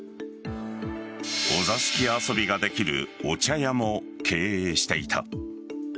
お座敷遊びができるお茶屋も経営していた。